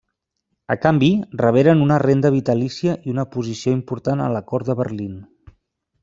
A canvi, reberen una renda vitalícia i una posició important a la cort de Berlín.